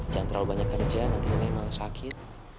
jangan terlalu banyak kerja nanti ini malah sakit